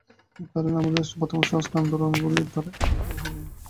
এই কারণেই আমাদের বর্তমান সংস্কার-আন্দোলনগুলি দ্বারা কোন ফল হয় নাই।